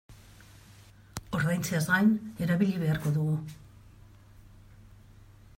Ordaintzeaz gain erabili beharko dugu.